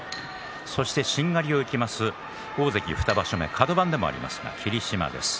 そしてしんがりをいきます大関２場所目、カド番でもありますが霧島です。